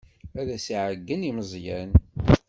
Ad as-iɛeyyen i Meẓyan.